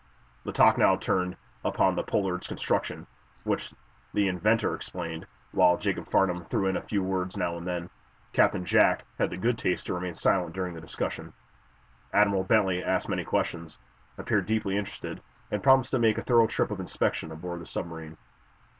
The talk now turned upon the "Pollard's" construction, which the inventor explained, while Jacob Farnum threw in a few words now and then. Captain Jack had the good taste to remain silent during this discussion. Admiral Bentley asked many questions, appeared deeply interested, and promised to make a thorough trip of inspection aboard the submarine.